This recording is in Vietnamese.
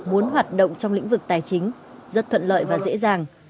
muốn hoạt động trong lĩnh vực tài chính rất thuận lợi và dễ dàng